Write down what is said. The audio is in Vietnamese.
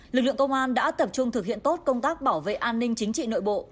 lực lượng công an đã tập trung thực hiện tốt công tác bảo vệ an ninh chính trị nội bộ